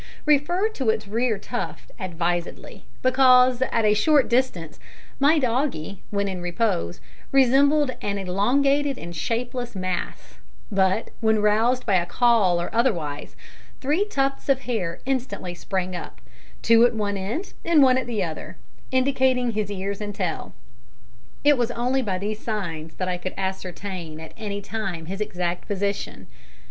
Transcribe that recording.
Refer to its rear tuft advisedly, because, at a short distance, my doggie, when in repose, resembled an elongated and shapeless mass; but, when roused by a call or otherwise, three tufts of hair instantly sprang up two at one end, and one at the other end indicating his ears and tail. It was only by these signs that I could ascertain at any time his exact position.